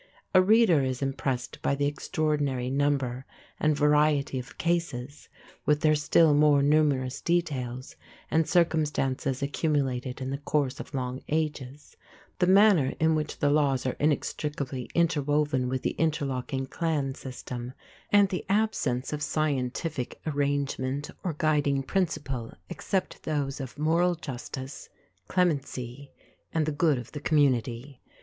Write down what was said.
A reader is impressed by the extraordinary number and variety of cases with their still more numerous details and circumstances accumulated in the course of long ages, the manner in which the laws are inextricably interwoven with the interlocking clan system, and the absence of scientific arrangement or guiding principle except those of moral justice, clemency, and the good of the community.